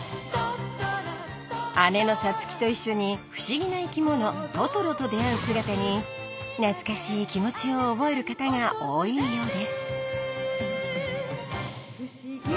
姉のサツキと一緒に不思議な生き物トトロと出会う姿に懐かしい気持ちを覚える方が多いようです